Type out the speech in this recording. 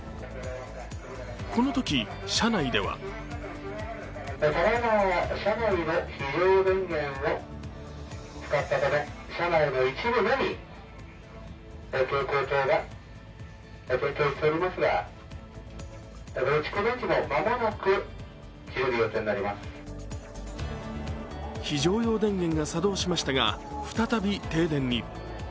このとき、車内では非常用電源が作動しましたが再び停電に。